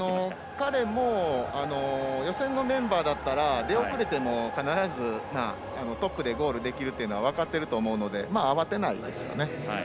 彼も予選のメンバーだったら出遅れても必ずトップでゴールできるというのは分かっていると思うので慌てないですよね。